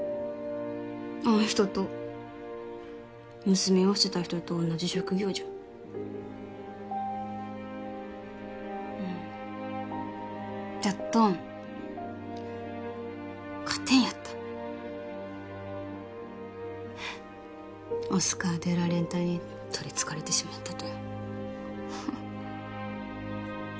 あん人と娘を捨てた人と同じ職業じゃじゃっどん勝てんやったオスカー・デ・ラ・レンタにとりつかれてしまったとよ